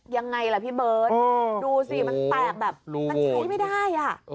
ยังไงล่ะพี่เบิร์ตดูสิมันแตกแบบมันใช้ไม่ได้อ่ะ